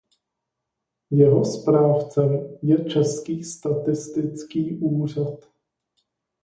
Jeho správcem je Český statistický úřad.